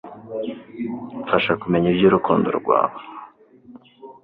mfasha kumenya iby'urukundo rwawe